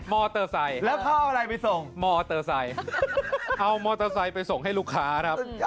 มอเตอร์ไซค์แล้วเขาเอาอะไรไปส่งมอเตอร์ไซค์เอามอเตอร์ไซค์ไปส่งให้ลูกค้าครับ